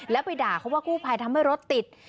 แล้วไปด่าเขาว่ากู้ภัยทำให้รถติด